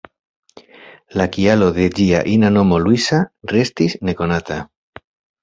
La kialo de ĝia ina nomo ""Luisa"" restis nekonata.